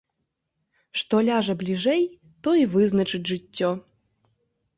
Што ляжа бліжэй, тое і вызначыць жыццё.